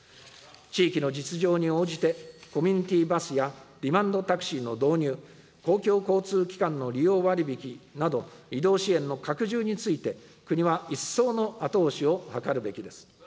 地域の実情に応じて、コミュニティーバスやデマンドタクシーの導入、公共交通機関の利用割引など、移動支援の拡充について、国は一層の後押しを図るべきです。